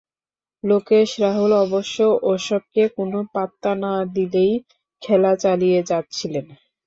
লোকেশ রাহুল অবশ্য ওসবকে কোনো পাত্তা না দিয়েই খেলা চালিয়ে যাচ্ছিলেন।